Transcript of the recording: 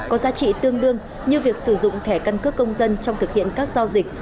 có giá trị tương đương như việc sử dụng thẻ căn cước công dân trong thực hiện các giao dịch